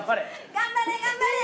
頑張れ頑張れ！